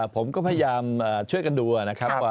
ผมก็พยายามช่วยกันดูนะครับ